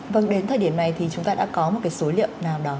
vâng đến thời điểm này thì chúng ta đã có một cái số liệu nào đó